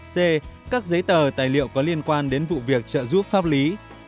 c các giấy tờ tài liệu có liên quan đến vụ việc trợ giúp pháp lý